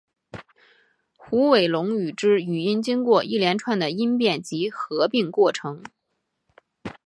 虎尾垄语之语音经过一连串的音变及合并过程。